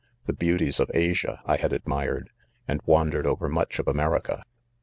The beauties of Asia,' I had admired, and wandered over much of America.